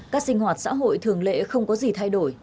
các sinh hoạt xã hội thường lệ không có gì thay đổi